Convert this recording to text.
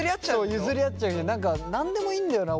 譲り合っちゃうし何でもいいんだよな